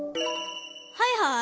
はいはい？